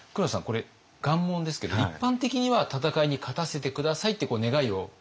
これ願文ですけど一般的には戦いに勝たせて下さいってこう願いをかける。